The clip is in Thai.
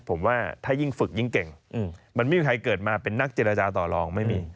ผมว่าถ้ายิ่งฝึกยิ่งเก่งมันไม่มีใครเกิดมาเป็นนักเจรจาต่อรองไม่มี